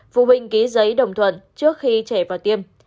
phụ huynh ký giấy đồng thuận trước khi trẻ vào tiêm